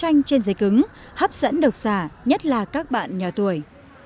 sách lần thứ hai giấy cứng hấp dẫn đọc xà nhất là các bạn nhỏ tuổi